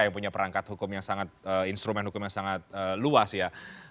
yang punya perangkat hukum yang sangat instrumen hukum yang sangat luas ya